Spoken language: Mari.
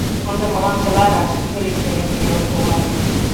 — Ынде мылам чыла раш! — милиционер кынел шогале.